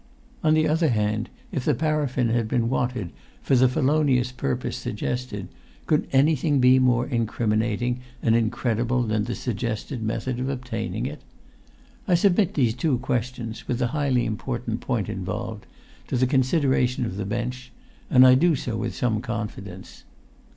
On the other hand, if the paraffin had been wanted for the felonious purpose suggested, could anything be more incriminating and incredible than the suggested method of obtaining it? I submit these two questions, with the highly important point involved, to the consideration of the bench; and I do so with some confidence.